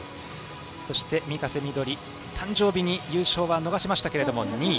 そして御家瀬緑誕生日に優勝は逃しましたが２位。